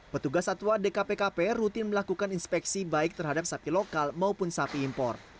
petugas satwa dkpkp rutin melakukan inspeksi baik terhadap sapi lokal maupun sapi impor